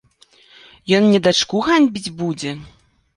Ён мне дачку ганьбіць будзе?!